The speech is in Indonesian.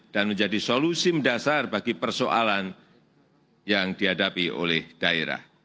dan menjadi solusi mendasar bagi persoalan yang dihadapi oleh daerah